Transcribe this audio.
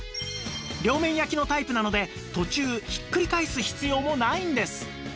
両面焼きのタイプなので途中ひっくり返す必要もないんです！